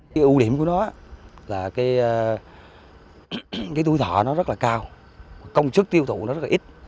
cái ưu điểm của nó là cái tuổi thọ nó rất là cao công chức tiêu thụ nó rất là ít